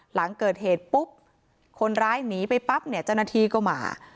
หลังเกิดเหตุปุ๊บคนร้ายหนีไปปั๊บเนี่ยเจ้าหน้าที่ก็มา